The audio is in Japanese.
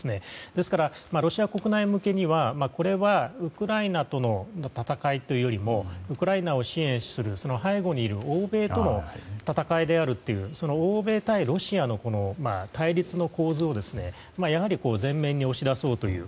ですから、ロシア国内向けにはこれはウクライナとの戦いというよりもウクライナを支援する背後にいる欧米との戦いであるというその欧米対ロシアという対立の構図を前面に押し出そうという。